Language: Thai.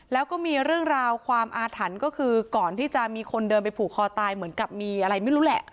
แล้วก็มีเรื่องราวความอาถรรพ์ก็คือก่อนที่จะมีคนเดินไปผูกคอตายเหมือนกับมีอะไรไม่รู้แหละ